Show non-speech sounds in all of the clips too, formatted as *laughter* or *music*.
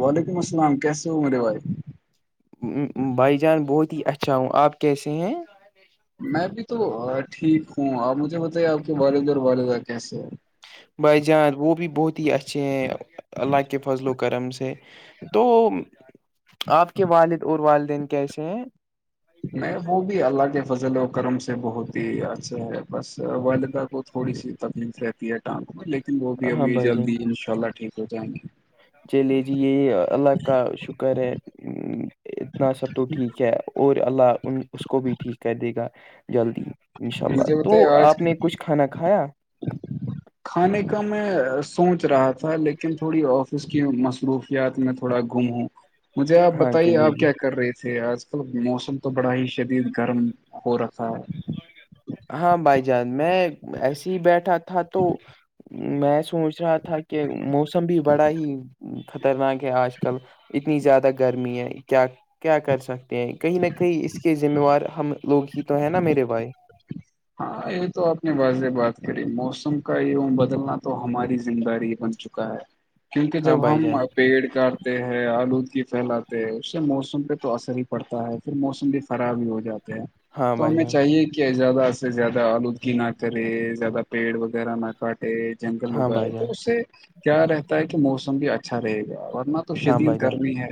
وعلیکم السلام کیسے ہو میرے بھائی بھائی جان بہت ہی اچھا ہوں آپ کیسے ہیں میں بھی تو ٹھیک ہوں آپ مجھے بتائیے آپ کے والدہ اور والدہ کیسے ہیں بھائی جان وہ بھی بہت ہی اچھے ہیں اللہ کے فضل و کرم سے تو آپ کے والد اور والدین کیسے ہیں نہیں وہ بھی اللہ کے فضل و کرم سے بہت ہی اچھے ہے بس والدہ کو تھوڑی سی تکلیف رہتی ہے ٹانگ میں لیکن وہ بھی ہاں ابھی بھائی جان جلدی ان شاء اللہ ٹھیک ہو جائیں گے چلے جی یہ اللہ کا شکر ہے اتنا سب تو ٹھیک ہے اور اللہ ان اس کو بھی ٹھیک کر دے گا جلدی انشاء اللہ مجھے تو بتائیے آج آپ نے کچھ کھانا کھایا کھانے کا میں سوچ رہا تھا لیکن تھوڑی آفس کی مصروف کیا ت میں تھوڑا گم ہوں مجھے آپ ہاں بتائیے چلیے آپ جی کیا کر رہے تھے آج کل موسم تو بڑا ہی شدید گرم ہاں ہاں بھائی جان میں ایسے ہی بیٹھا تھا تو میں سوچ سوچ رہا تھا کہ موسم بھی بڑا ہی خطرناک ہے آج کل اتنی زیادہ گرمی ہے کیا کیا کر سکتے ہیں کہیں نہ کہیں اس کے ذمہوار ہم لوگ ہی تو ہے نا میرے بھائی ہاں یہ تو اپنے بض سے بات ے موسم کا وم بدلنا تو ہماری زم داری بن چکا ہے کیونکہ ہاں جب بھائی ہم جان پیڑ کاٹتے ہیں آلودگی پھیلاتے ہیں اس سے موسم پہ تو اثر ہی پڑتا ہے پھر موسم بھی خراب ہی ہو جاتا ہے ہاں تو بھائی ہمیں جان چاہیے کہ زیادہ سے زیادہ آلودگی نہ کرے زیادہ پیڑ وغیرہ نہ کاٹے جنگل ہاں اگاائے بھائی تو جان اس سے کیا رہتا ہے کہ موسم بھی اچا اچھا رہے گا ورنہ تو ہاں شدید بھائی جان کرنی ہے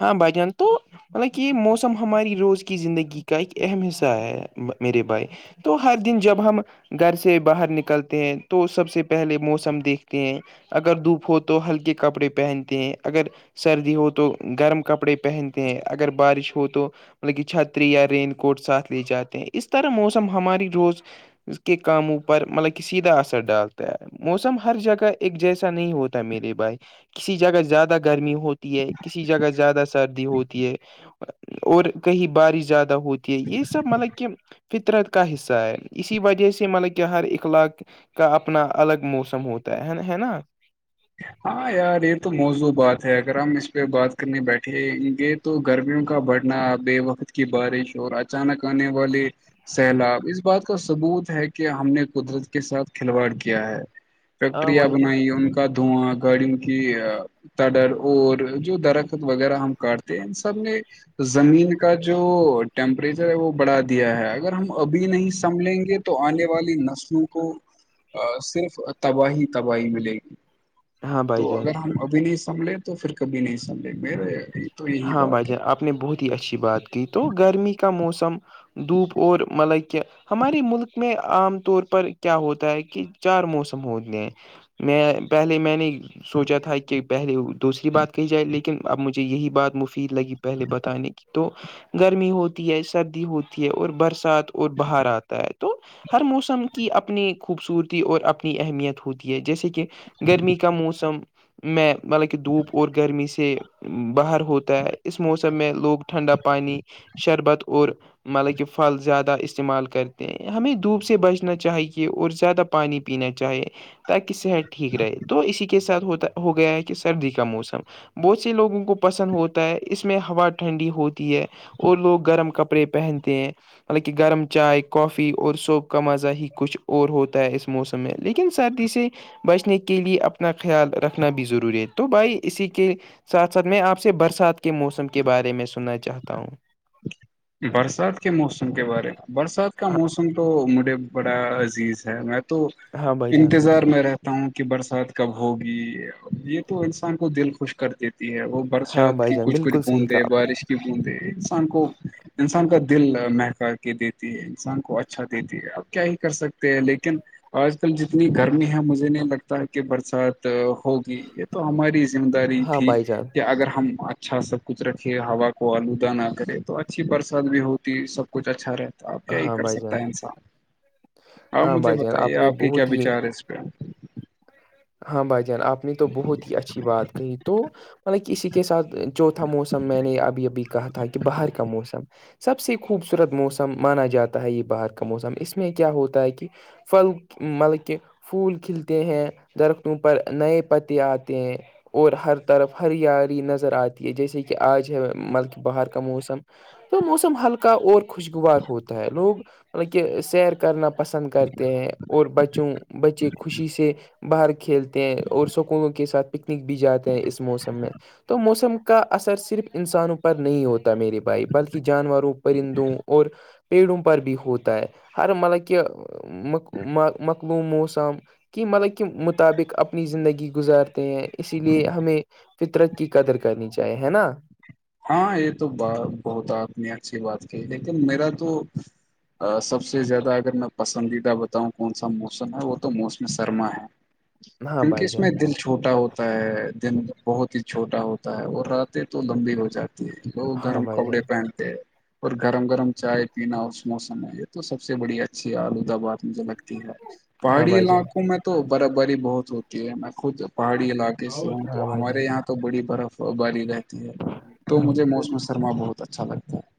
ہاں بھ جان تو مطلب کہ یہ موسم ہماری روز کی زندگی کا ایک اہم حصہ ہے میرے بھائی تو ہر دن جب ہم گھر سے باہر نکلتے ہیں تو سب سے پہلے موسم دیکھتے ہیں اگر دھوپ ہو تو ہلکے کپڑے پہنتے ہیں اگر سردی ہو تو گرم کپڑے پہنتے ہیں اگر بارش ہو تو مطلب کہ چھتری یا رین کوٹ ساتھ لے جاتے ہیں اس طرح موسم ہماری روز اس کے کاموںو پر مطلب کہ سیدھا اثر ڈالتا ہے موسم ہر جگہ ایک جیسا نہیں ہوتا میرے بھائی کسی جگہ زیادہ گرمی ہوتی ہے کسی جگہ زیادہ سردی ہوتی ہے اور کہیں بارش زیاہ ہوتی ہے یہ سب مطلب کہ فطرت کا حصہ ہے اسی وجہ سے مطلب کہ ہر اخلاق کا اپنا الگ موسم ہوتا ہےا ہے نا ہاں یار یہ تو موضوں بات ہے اگر ہم اس پہ بات کرنے بیٹھے گے تو گرمیوں کا بڑھنا بے وقت کی بارش اور اچانک آنے والے سیلاب اس بات کا ثبوت ہے کہ ہم نے قدرت کے ساتھ کھلواڑ کیا ہے ہاں فیکٹریاں بھائی جان بنائی ان کا دھواں گاڑیوں کی تڈر اور جو درخت وغیرہ ہم کاٹتے ہیں ان سب نے زمین کا جو جو ٹیمپریچر ہے وہ بڑھا دیا ہے اگر ہم ابھی نہیں سنبھ لیں گے تو آنے والی نسلوں کو صرف تباہی تباہی ملے گی ہاں تو بھائی جان اگر ہم ابھی نہیں سنبھلے تو پھر کبھی نہیں سنبھے میرے تو یہی ہاں بات بھائیجا آپ نے بہت ہی اچھی بات کی تو گرمی کا موسم دھوپ اور مطلب کہہ ہمارے ملک میں عام طور پر کیا ہوتا ہے کہ چار موسم ہوتے ہیں میں پہلے میں نے سوچا تھا کہ پہلے دوسری بات کہی جائے لیکن اب مجھے یہی بات فی لگی پہلے بتانے کی تو گرمی ہوتی ہے سردی ہوتی ہے اور برسات اور باہر آتا ہے تو ہر موسم کی اپنی خوبصورتی اور اپنی اہمیت ہوتی ہے جیسے کہ گرمی کا موسم میں مطلب کہ دھوپ اور گرمی سے باہر ہوتا ہے اس موسم میں لوگ ٹھنڈا پانی شربت اور مطلب کہ پھل زیادہ استعمال کرتے ہیں ہمیں دھوپ سے بچنا چاہیے اور زیادہ پانی پینا چاہیے تاکہ صحت ٹھیک رہے تو اسی کے ساتھ ہوتا ہو گیا ہے کہ سردی کا موسم بہت سے لوگوں کو پسند ہوتا ہے اس میں ہوا ٹھنڈی ہوتی ہے اور لوگ گرم کپڑے پہنتے ہیں مالکہ گرم چائے کافی اور سوپ کا مزہ ہی کچھ اور ہوتا ہے اس موسم ہے لیکن سردی سے بچنے کے لیے اپنا خیال رکھنا بھی ضروری ہے تو بھائی اسی کے ساتھ ساتھ میں آپ سے برسات کے موسم کے بارے میں سننا چاہتا ہوں برسات کے موسم کے بارے میں برسات کا ہاں موسم تو مجھے بڑا عزیز ہے میں تو ہاں بھائی جان انتظار میں رہتا ہوں کہ برسات کب ہوگی یہ تو انسان کو دل خوش کر دیتی ہے وہ ہاں برسات بھائی کی جان کچھ کچھ بالکل صحیح کہا بوندیں آپ نے بارش کی بوندیں انسان کو انسان کا دل مہک کے دیتی ہے انسان کو اچھا دیتی ہے اب کیا ہی کر سکتے ہیں لیکن آج کل جتنی گرمی ہے مجھے نہیں لگتا کہ برسات ہوگی یہ تو ہماری ذمہ داری ہاں تھی بھائی جان کہ اگر ہم اچھا سب کچھ رکھے ہوا کو آلودانہ کرے تو اچھی برسات بھی ہوتی سب کچھ اچھا رہتا اب کیا ہی ہاں کر بھائی سکتا جان ہے انسان آپ ہاں مجھے بھائی جان بتائیے نے آپ کے کیا بہت ہی وچار ہے اس پہ ہاں بھائی جان آپ نے تو بہت ہی اچھی بات کہی تو مطلب اسی کے ساتھ چوتھا موسم میں نے اب یہ بھیھی کہا تھا کہ باہر کا موسم *unintelligible* سب سے خوبصورت موسم مانا جاتا ہے یہ باہر کا موسم اس میں کیا ہوتا ہے کہ پھل مطلب کہ پھول کھلتے ہیں درختوں پر نئے پتے آتے ہیں اور ہر طرف ہر اری نظر آتی ہے جیسے کہ آج ہے مطلک باہر کا موسم تو موسم ہلکا اور خوشگوار ہوتا ہے لوگ مطلب کہ سیر کرنا پسند کرتے ہیں اور بچوں بچے خوشی سے باہر کھیلتے ہیں اور سکونوں کے ساتھ پکنک بھی جاتے ہیں اس موسم میں تو موسم کا اثر صرف انسانوں پر نہیں ہوتا میرے بھائی بلکہ جانوروں پرندوں اور پیڑوں پر بھی ہوتا ہے ہر مطلب کہ مقلوم موم کی مطلب کہ مطابق اپنی زندگی گزار اسی لیے ہمیں فطرت کی قدر کرنی چاہیے ہے نا ہاں یہ تو ب بہت آپ نے اچھی بات کہ لیکن میرا تو *unintelligible* سب سے زیادہ اگر میں پسندیدہ بتاؤں کون سا موسم ہے وہ موسم سرما ہے ہاں کیونکہ بھائی اس جان میں دل چھوٹا ہوتا ہوتا ہے دن بہت ہی چھوٹا ہوتا ہے اور راتیں تو لمبی ہو جاتی ہے بہ ہاں گرم بھائی کپڑے جان پہنتے *unintelligible* اور گرم گرم چائے پینا اس موسم میں یہ تو سب سے بڑی اچھی ہے آلود آباد مجھ لگ ہے ہے ہاں پہاڑی بھائی جان علاقوں میں تو برف باری بہت ہوتی کہ میں خود پہاڑی علاقے سے ہوں تو ہاں بھائی جان ہمارے یہاں تو بڑی برف باری رہتی ہے تو ہاں مجھے موسم سرما بہت اچھا لگتا ہے *unintelligible*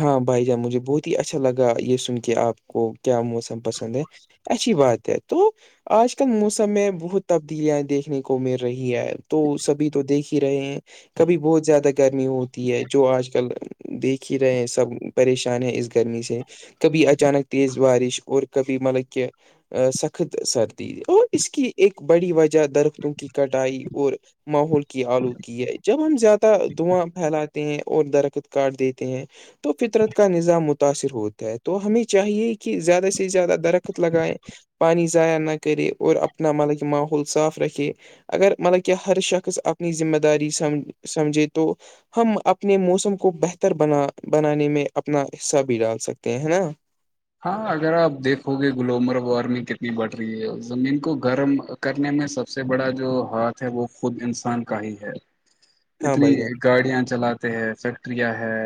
ہاں بھائی جان مجھے بہت ہی اچھا لگا یہ سن کے آپ کو کیا موسم پسند ہے اچھی بات ہے تو *unintelligible* آج کل موسم میں بہت تبدیلیاں دیکھنے کو مل رہی ہے تو سبھی تو دیکھ ہی رہے ہیں کبھی بہت زیادہ گرمی ہوتی ہے جو آج کل دیکھیے رہے ہیں سب پریشان ہیں اس گرمی سے کبھی اچانک تیز بارش اور کبھی مطلب کہ سخت سردی اور اس کی ایک بڑی وجہ درختوں کی کٹائی اور ماحول کی آلودگی ہے جب ہم زیادہ دھواں پھیلاتے ہیں اور درخت کاٹ دیتے ت ہیں *inaudible* تو فطرت کا نظام متاثر ہوتا ہے تو ہمیں چاہیے کہ زیادہ سے زیادہ درخت لگائیں پانی ضائع نہ کرے اور اپنا مطلب کہ ماحول صاف رکھے اگر مطلب کہ ہر شخص اپنی ذمہ داری سمج سمجھے تو ہم اپنے موسم کو بہتر بنا بنانے میں اپنا حصہ بھی ڈال سکتے ہیں ہے نا ہاں اگر آپ دیکھو گے گلوبل وارمنگ کتنی بڑھ رہی ہے زمین کو گرم کرنے میں سب سے بڑا جو ہاتھ ہے وہ خود انسان کا ہی ہے *inaudible* اتنی جان گاڑیاں چلاتے ہیں فیکٹریاں ہے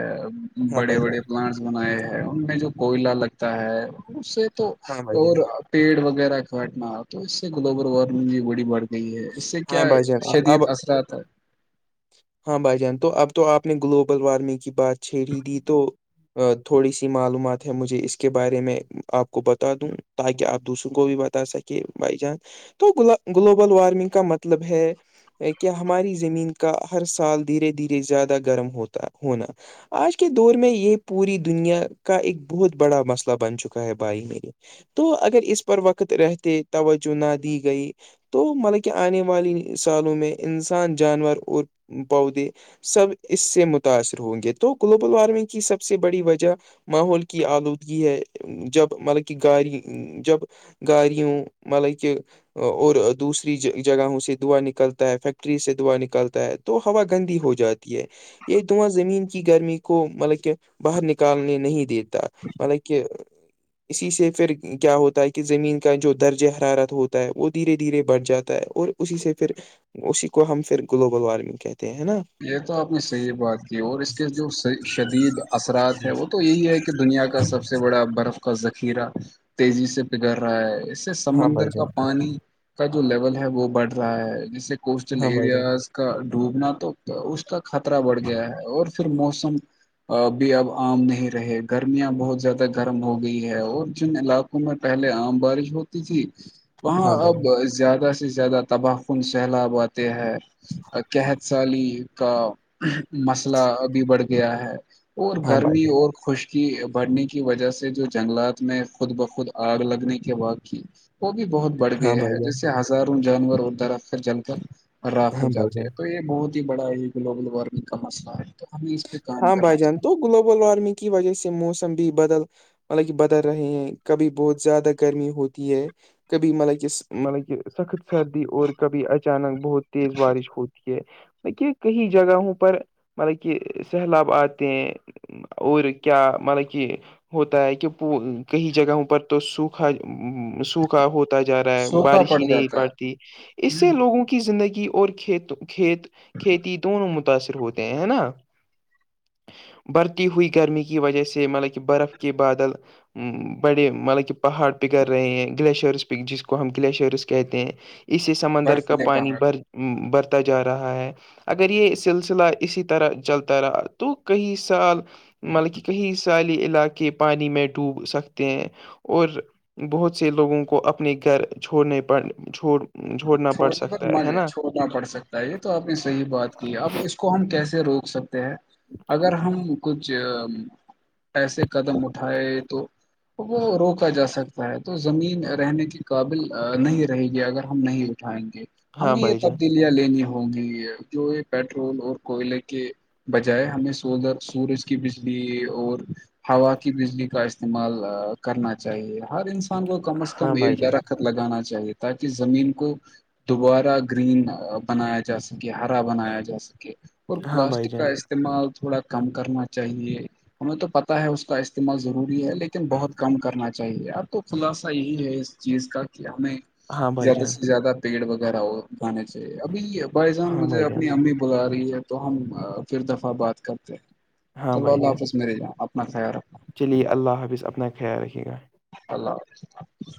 ہاں بڑے بھائی جان بڑے پلانٹ بنائے ہے ان میں جو کوئلہ لگتا ہے اس سے تو ہاں بھائی اور جان پیڑ وغیرہ کاٹنا تو اس سے گلوبل وارمنگ بھی بڑی بڑ ج اس سے ہاں کیا بھائی جان شدید اب اثرات ہے ہاں بھائی جان تو اب تو آپ نے گلوبل وارمنگ کی بات چھیڑی دی تو تھوڑی سی معلومات ہے مجھے اس کے بارے میں آپ کو بتا دوں تاکہ آپ دوسروں کو بھی بتا سکے بھائی جان تو گلوبل وارم کا مطلب ہے *inaudible* کیا ہماری زمین کا ہر سال دھیرے دھیرے زیادہ گرم ہوتا ہونا آج کے دور میں یہ پوری دنیا کا ایک بہت بڑا مسئلہ بن چکا ہے بھائی میرے تو اگر اس پر وقت رہتے توجہ نہ دی گئی تو مطل کہ آنے والی سالوں میں انسان جانور اور پودے سب اس سے متاثر ہوں گے تو گلوبل وارمنگ کی سب سے بڑی وجہ ماحول کی آلودگی ہے جب مطلب کہ گاڑ جب گاڑوں مطلب کہ اور دوسر جگہوں سے دعا نکلتا ہے فیکٹری سے دعا نکلتا ہے تو ہوا گندی ہو جاتی ہے یہ دماں زمین کی گرمی کو مطلب کہ باہر نکالنے نہیں دیتے مل کہ *inaudible* اسی سے پھر کیا ہوتا ہے کہ زمین کا جو درج حرارت ہوتا ہے وہ دھیرے دھیرے بڑھ جاتا ہے اور اسی سے پھر اسی کو ہم پھر گلوبل وارمنگ کہتے ہیں نا یہ تو آپ نے صحیح بات کی اور اس کے جو شدید اثرات ہے وہ تو یہی ہے کہ دنیا کا سب سے بڑا برف کا ذخیرہ تیزی سے پگڑ رہا ہے سے ہاں بھائی سمندر کا جان پانی کا جو لیول ہے وہ بڑھ رہا ہے جیسے کوسٹل ہاں بھائی جان ایریاز کا ڈوبنا تو اس کا خطرہ بڑھ گیا ہے اور پھر موسم اب بھی اب عام نہیں رہے گرمیاں بہت زیادہ گرم ہو گئی ہے اور جن علاق پہلے عام بارش ہوتی تھی وہاں ہاں بھائی اب جان زیادہ سے زیادہ تباہ کن سیلاب آتے ہیں قحت سالی کا مسئلہ ابھی بڑھ گیا ہے اور ہاں بھائی گرمی جان اور خشک کی بڑنے کی وجہ سے جو جنگلات میں خود بخود آگ لگنے کے واق کی وہ بھی بہت بڑھ ہاں گیا ہے بھائی جان جس سے ہزاروں جانور اور درخت جل کر راخ ہو ہاں بھائی جاتے جان ہے تو یہ بہت ہی بڑا یہ گلوبل وارمنگ کا مسئلہ ہے تو ہمیں اس پہ کام ہاں کرنا بھائی جان چاہیے تو گلوبل وارمنگ کی وجہ سے موسم بھی بدل مطلب کہ بدل رہے ہیں کبھی بہت زیادہ گرمی ہوتی ہے کبھی مطلب کہ مطلب کہ سخت سردی اور کبھی اچانک بہت تیز بارش ہوتی ہے دے کئی جگہوں پر مطلب کہ سہلاب آتے ہیں اور کیا مطلب کہ ہوتا ہے کہ کئی جگہوں پر تو سوکھا سوکھ ہوتا جا رہا ہے سوکھا بارش پڑ ہی نہیں جاتا ہے پڑتی اس سے ہوں، لوگوں کو کی زندگی اور کھیت کھیت کھیتی دونوں متاثر ہوتے ہیں ہے نا بڑھتی ہوئی گرمی کی وجہ سے مطلب کہ برف کے بادل بڑے مطلب کہ پہاڑ پکڑ رہے ہیں گلیشیئرس پ جس کو ہم گلیشیئرس کہتے ہیں اسے سمندر کا برفیلے پانی پہاڑ بھر برتا جا رہا ہے اگر یہ سلسلہ اسی طرح چلتا رہا تو کئی سال مطلب کہ کہئی س سالی علاقے پانی میں ڈوب سکتے ہیں اور بہت سے لوگوں کو اپنے گھر چھوڑنے پڑ چھڑ چھوڑنا پڑ سکتا ہے ہے نا نا پڑ سکتا ہے یہ تو آپ نے صحیح بات کی ہے اب اس کو ہم کیسے روک سکتے ہیں اگر ہم کچھ ایسے قدم اٹھائے تو وہ روکا جا سکتا ہے تو زمین رہنے کے قابل نہیں رہے گی اگر ہم نہیں اٹھائیں گے ہاں ہمیں یہ بھائی جان تبدیلی یاں لینی ہوں گی جو یہ پیٹرول اور کوئلے کے بجائے ہمیں سولر سورج کی بجلی اور ہوا کی بجلی کا استعمال کرنا چاہیے ہر انسان کو کم از کم ہاں ایک بھائی جان درح خت لگانا چاہیے تاکہ زمین کو دوبارہ گرین بنایا جا سکے ہرا بنایا جا سکے اور ہاں بھائی پلاسٹک کا جان استعمال تھوڑا کم کرنا چاہیے ہمیں تو پتہ ہے اس کا استعمال ضروری ہے لیکن بہت کم کرنا چاہیے آپ کو خلاصہ یہی ہے اس چیز کا کہ ہمیں ہاں بھائی زیادہ جان سے زیادہ پیڑ وغیرہ ہوگھانے چاہیے ابھی بھائی جان ہاں مجھے بھائی اپنی امی بلا رہی ہے تو ہم پھر دفعہ بات کرتے ہیں ہاں تولہ بھائی اللہ جان حافظ میں ہی جاؤ اپنا خیال رکھنا چلیے اللہ حافظ اپنا خیال رکھیے گا اللہ حافظ